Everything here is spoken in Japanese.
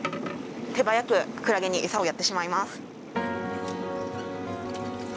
手早くクラゲにエサをやってしまいます。